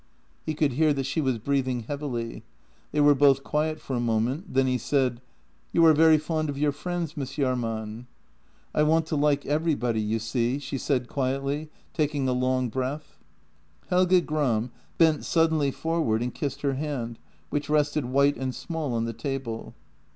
..." He could hear that she was breathing heavily. They were both quiet for a moment, then he said :" You are very fond of your friends, Miss Jahrman? "" I want to like everybody, you see," she said quietly, taking a long breath. Helge Gram bent suddenly forward and kissed her hand, which rested white and small on the table.